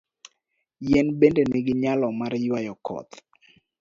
Yien bende nigi nyalo mar ywayo koth.